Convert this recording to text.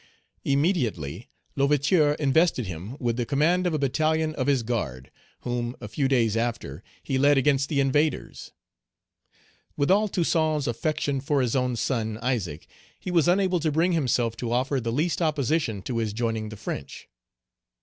Immediately L'Ouverture invested him with the command of a battalion of his guard, whom, a few days after, he led against the invaders. With all Toussaint's affection for his own son, Isaac, he was unable to bring himself to offer the least opposition to his joining the French.